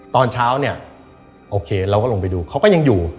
ตอนเช้าเนี่ยโอเคเราก็ลงไปดูเขาก็ยังอยู่